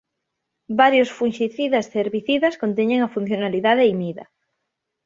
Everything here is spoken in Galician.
Varios funxicidas e herbicidas conteñen a funcionalidade imida.